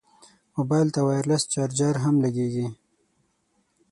موبایل ته وایرلس چارج هم لګېږي.